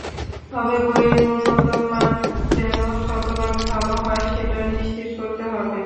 তবে বইয়ের গুণগত মান যেন শতভাগ ভালো হয়, সেটা নিশ্চিত করতে হবে।